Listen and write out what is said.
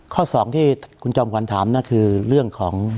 ข้อสองที่คุณจอมขวัญถามนะคือเรื่องของ